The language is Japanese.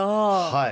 はい。